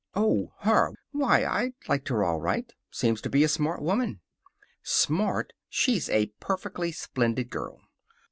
"Oh, her! Why, I liked her all right. Seems to be a smart woman." "Smart! She's a perfectly splendid girl."